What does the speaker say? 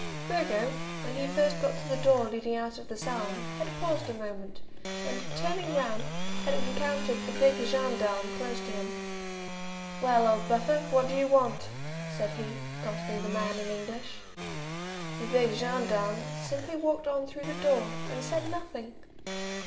Burgo, when he first got to the door leading out of the salon, had paused a moment, and, turning round, had encountered the big gendarme close to him. "Well, old Buffer, what do you want?" said he, accosting the man in English. The big gendarme simply walked on through the door, and said nothing.